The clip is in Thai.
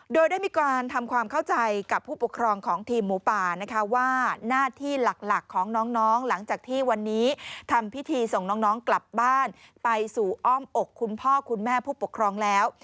โดยได้มีการทำความเข้าใจกับผู้ปกครองของทีมหมูป่านะคะว่าหน้าที่หลักของน้องหลังจากที่วันนี้ทำพิธีส่งน้องกลับบ้านไปสู่อ้อมอกคุณพ่อคุณแม่ผู้ปกครองแล้ว